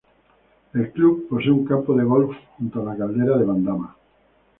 El Club posee un campo de golf junto a la Caldera de Bandama.